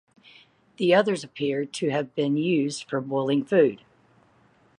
The others appear to have been used for boiling food.